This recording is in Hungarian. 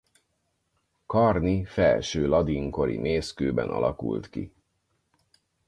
Karni felső ladin kori mészkőben alakult ki.